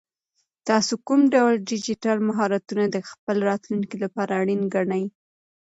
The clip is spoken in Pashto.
تاسو کوم ډول ډیجیټل مهارتونه د خپل راتلونکي لپاره اړین ګڼئ؟